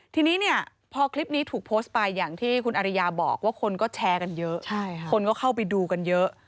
ทีนี้เนี่ยพอคลิปนี้ถูกโพสต์ไปอย่างที่คุณอริยาบอกว่าคนก็แชร์กันเยอะคนก็เข้าไปดูกันเยอะ